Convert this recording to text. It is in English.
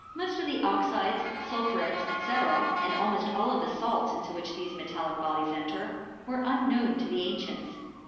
Most of the oxides, sul phurets, &c., and almost all the salts into which these metallic bodies enter, were unknown to the ancients.